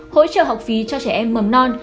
hỗ trợ học phí cho trẻ em mầm non